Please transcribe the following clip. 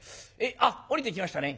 あっ下りてきましたね。